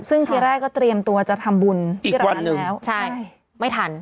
ซึ่งทีแรกก็เตรียมตัวจะทำบุญที่ร้านแล้วใช่ไม่ทัน